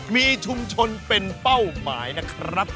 มีชุมชนเป็นเป้าหมายนะครับ